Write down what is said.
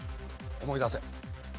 思い出せ。